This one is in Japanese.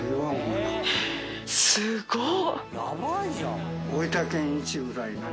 すごっ！